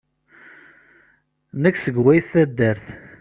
Nekk seg wayt taddart.